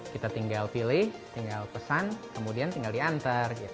kita tinggal pilih tinggal pesan kemudian tinggal diantar